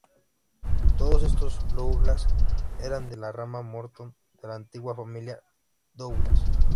Todos estos Douglas eran de la rama Morton de la antigua Familia Douglas.